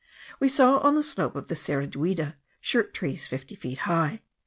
We saw on the slope of the Cerra Duida shirt trees fifty feet high.